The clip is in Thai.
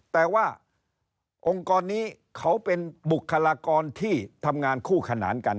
แต่ว่าองค์กรนี้เขาเป็นบุคลากรที่ทำงานคู่ขนานกัน